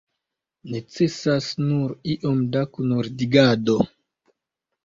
Necesas nur iom da kunordigado.